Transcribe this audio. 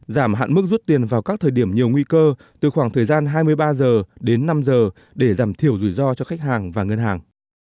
giảm hạn mức rút tiền vào các thời điểm nhiều nguy cơ từ khoảng thời gian hai mươi ba h đến năm giờ để giảm thiểu rủi ro cho khách hàng và ngân hàng